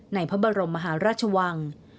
พระบรมมหาราชวัง